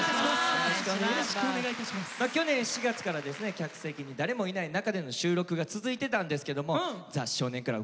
客席に誰もいない中での収録が続いてたんですけども「ザ少年倶楽部」